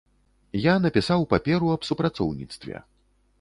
Я напісаў паперу аб супрацоўніцтве.